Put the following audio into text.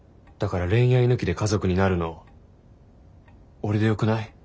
だから恋愛抜きで家族になるの俺でよくない？